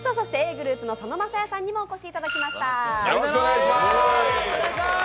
ｇｒｏｕｐの佐野晶哉さんにもお越しいただきました。